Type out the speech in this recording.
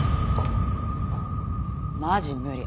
マジ無理。